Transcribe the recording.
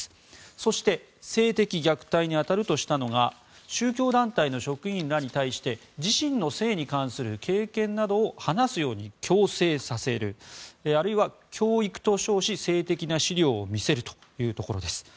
そして性的虐待に当たるとしたのが宗教団体の職員らに対して自身の性に関する経験などを話すように強制させるあるいは教育と称し性的な資料を見せるといいうところです。